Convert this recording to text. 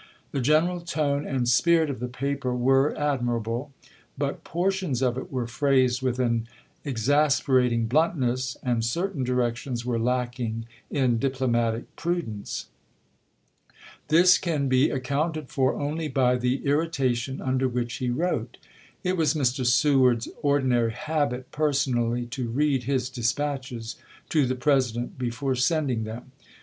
The general tone and spirit of the paper were ad mirable; but portions of it were phrased with an exasperating bluntness, and certain directions were lacking in diplomatic prudence. This can be ac counted for only by the irritation under which he wrote. It was Mr. Seward's ordinary habit per 270 ABRAHAM LINCOLN Chap. XV. sonally to read his dispatclies to the President before sending them.